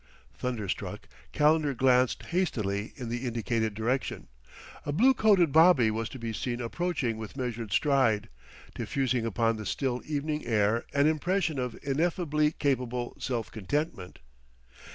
Thunderstruck, Calendar glanced hastily in the indicated direction. A blue coated bobby was to be seen approaching with measured stride, diffusing upon the still evening air an impression of ineffably capable self contentment.